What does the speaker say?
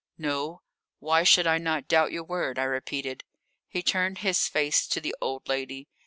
"No; why should I not doubt your word?" I repeated. He turned his face to the old lady.